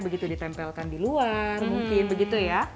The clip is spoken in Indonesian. begitu ditempelkan di luar mungkin begitu ya